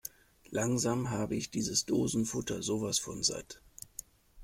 Langsam habe ich dieses Dosenfutter sowas von satt!